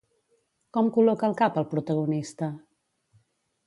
Com col·loca el cap el protagonista?